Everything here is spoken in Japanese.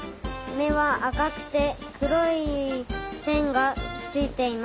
めはあかくてくろいせんがついています。